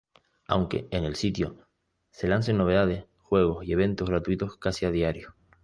Aunque en el sitio se lancen novedades, juegos y eventos gratuitos casi a diario.